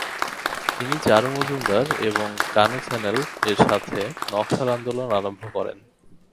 তিনি চারু মজুমদার এবং কানু সান্যাল-এর সাথে নকশাল আন্দোলন আরম্ভ করেন।